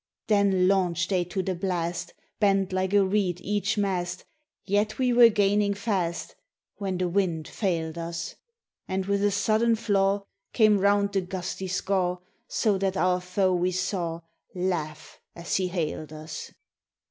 'Then launched they to the blast, Bent like a reed each mast, Yet we were gaining fast, When the wind failed us; And with a sudden flaw Came round the gusty Skaw, So that our foe we saw Laugh as he hailed us.